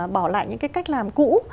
bỏ lại những cái cách làm cũ